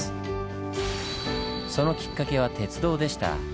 そのきっかけは鉄道でした。